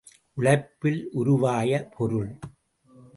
உழைப்பில் உருவாய பொருள்.